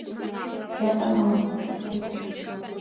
— Кертын огыл, хи-хи...